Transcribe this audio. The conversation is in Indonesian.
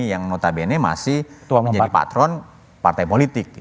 yang notabene masih menjadi patron partai politik